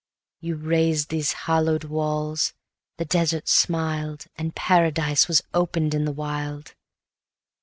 You raised these hallow'd walls; the desert smiled, And Paradise was open'd in the wild.